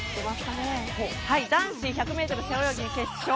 男子１００ｍ背泳ぎ決勝。